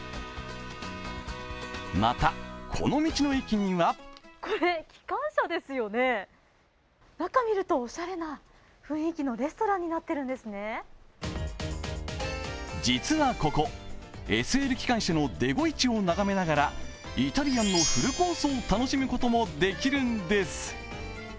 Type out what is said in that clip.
また、この道の駅には実はここＳＬ機関車のＤ５１を眺めながら、イタリアンのフルコースを楽しむこともできるんです。